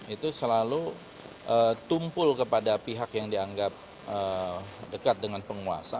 itu selalu tumpul kepada pihak yang dianggap dekat dengan penguasa